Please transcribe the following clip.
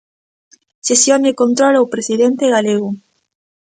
Sesión de control ao presidente galego.